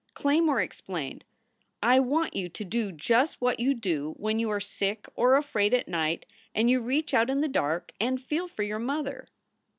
Claymore explained, "I want you to do just what you do when you are sick or afraid at night and you reach out in the dark and feel for your mother."